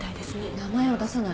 名前を出さない。